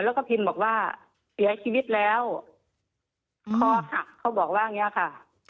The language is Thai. แล้วก็พิมพ์บอกว่าเสียชีวิตแล้วคอหักเขาบอกว่าอย่างเงี้ยค่ะ